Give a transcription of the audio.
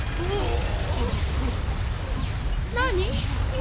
何？